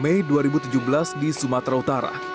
mei dua ribu tujuh belas di sumatera utara